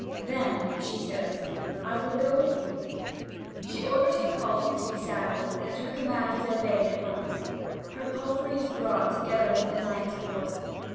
"Then," she says, "I will go with you." She orders her palfrey to be saddled, and her command is obeyed at once. Her palfrey was brought together with the knight's horse.